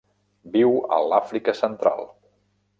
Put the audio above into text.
Viu a l'Àfrica Central.